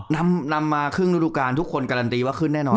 นำมาครึ่งฤดูการทุกคนการันตีว่าขึ้นแน่นอน